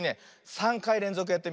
３かいれんぞくやってみるよ。